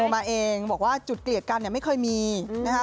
มาเองบอกว่าจุดเกลียดกันเนี่ยไม่เคยมีนะคะ